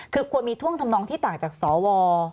คือควรมีท่วงทำนองที่ต่างจากสว